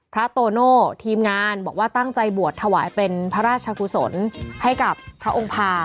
โตโน่ทีมงานบอกว่าตั้งใจบวชถวายเป็นพระราชกุศลให้กับพระองค์ภา